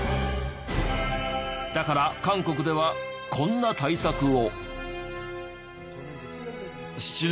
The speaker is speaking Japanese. だから韓国ではこんな対策を。